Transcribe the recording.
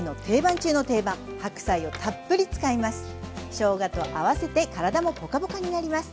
しょうがと合わせて体もポカポカになります。